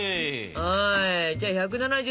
はいじゃあ１７０